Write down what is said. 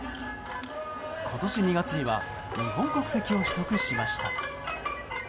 今年２月には日本国籍を取得しました。